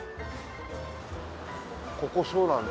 ここそうなんだ。